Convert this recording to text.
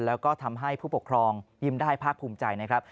แล้วก็ทำให้ผู้ปกครองยิ้มได้ภาคภูมิใจนะครับ